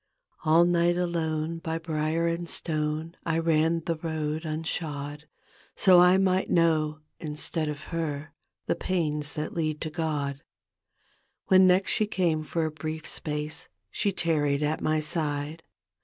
All night alone by brier and stone I ran that road unshod, Sd I might know instead of her The pains that lead to God. When next she came for a brief space She tarried at my side.